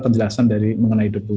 penjelasan mengenai debu